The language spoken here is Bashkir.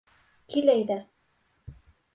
Кил әйҙә!